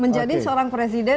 menjadi seorang presiden